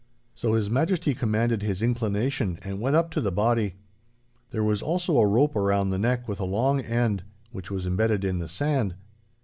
So His Majesty commanded his inclination, and went up to the body. There was also a rope around the neck with a long end, which was embedded in the sand.